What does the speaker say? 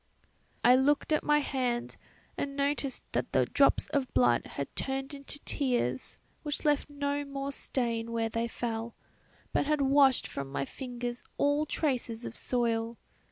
"I looked at my hand and noticed that the drops of blood had turned into tears which left no more stain where they fell, but had washed from my fingers all traces of soil.